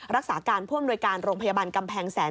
รักษาการผู้อำนวยการโรงพยาบาลกำแพงแสน